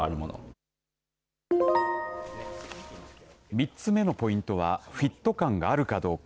３つめのポイントはフィット感があるかどうか。